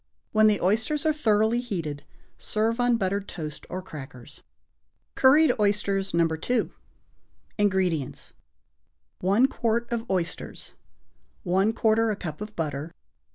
When the oysters are thoroughly heated, serve on buttered toast or crackers. =Curried Oysters, No. 2.= INGREDIENTS. 1 quart of oysters. 1/4 a cup of butter.